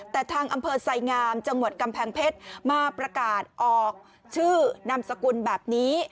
แต่ทางอำเภอไสงามจังหวัดกำแพงเพชรมาประกาศออกชื่อนามสกุลแบบนี้